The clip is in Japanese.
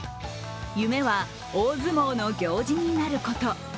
夢は大相撲の行事になること。